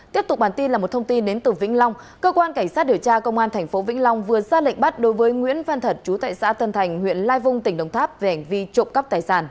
tiếp tục bản tin là một thông tin đến từ vĩnh long cơ quan cảnh sát điều tra công an thành phố vĩnh long vừa ra lệnh bắt đối với nguyễn văn thật chú tẩy xã tân thành huyện lai vung tỉnh đồng tháp